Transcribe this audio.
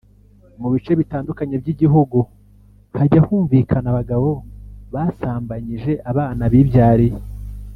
Mu bice bitandukanye by’igihugu hajya humvikana abagabo basambanyije abana bibyariye